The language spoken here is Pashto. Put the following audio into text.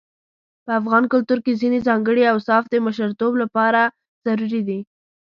په افغان کلتور کې ځينې ځانګړي اوصاف د مشرتوب لپاره ضروري دي.